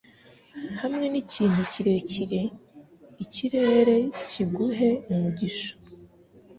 Hamwe nikintu kirekire, ikirere kiguhe umugisha,